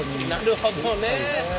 なるほどね。